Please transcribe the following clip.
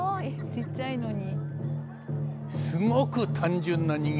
ちっちゃいのに。